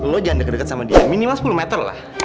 lo jangan deket deket sama dia minimal sepuluh meter lah